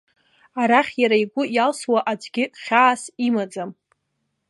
Арахь иара игәы иалсуа аӡәгьы хьаас имаӡам.